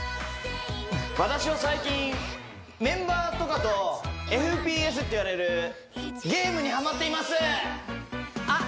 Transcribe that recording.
私は最近メンバーとかとＦＰＳっていわれるゲームにはまっていますあっ